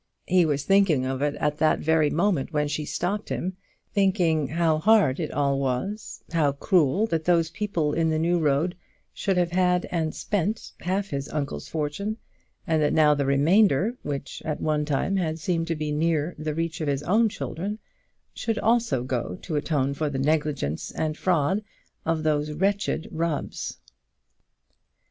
He was thinking of it at that moment when she stopped him thinking how hard it all was, how cruel that those people in the New Road should have had and spent half his uncle's fortune, and that now the remainder, which at one time had seemed to be near the reach of his own children, should also go to atone for the negligence and fraud of those wretched Rubbs.